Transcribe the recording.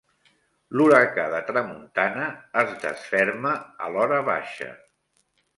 L'huracà de tramuntana es desferma a l'horabaixa.